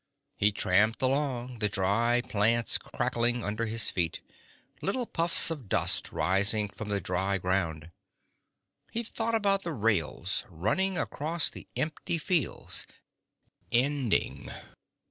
He tramped along, the dry plants crackling under his feet, little puffs of dust rising from the dry ground. He thought about the rails, running across the empty fields, ending